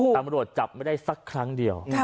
ตำรวจจับไม่ได้สักครั้งเดียว